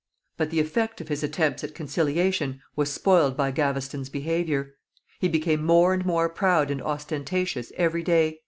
But the effect of his attempts at conciliation was spoiled by Gaveston's behavior. He became more and more proud and ostentatious every day.